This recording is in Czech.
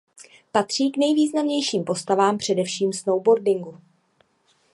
Patří k nejvýraznějším postavám především snowboardingu.